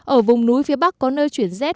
ở vùng núi phía bắc có nơi chuyển rét